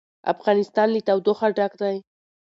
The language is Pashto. افغانستان له تودوخه ډک دی.